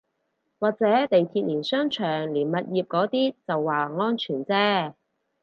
或者地鐵連商場連物業嗰啲就話安全啫